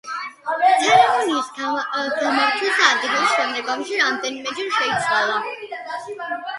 ცერემონიის გამართვის ადგილი შემდგომში რამდენიმეჯერ შეიცვალა.